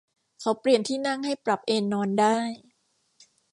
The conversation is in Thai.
เขาเปลี่ยนที่นั่งให้ปรับเอนนอนได้